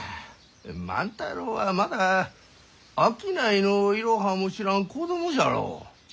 万太郎はまだ商いのイロハも知らん子供じゃろ。